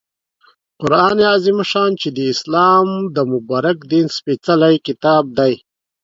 قرآن عظیم الشان چې د اسلام د مبارک دین سپیڅلی کتاب دی